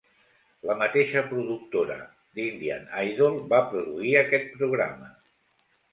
La mateixa productora d'"Indian Idol" va produir aquest programa.